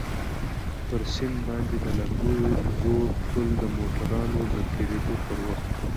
پر سيند باندى د لرګيو زوړ پول د موټرانو د تېرېدو پر وخت.